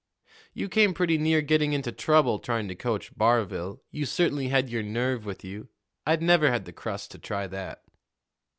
"You came pretty near getting into trouble trying to coach Barville. You certainly had your nerve with you. I'd never had the crust to try that."